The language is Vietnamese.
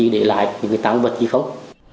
để lại những tán vật gì không